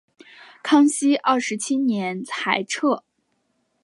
康熙二十七年裁撤。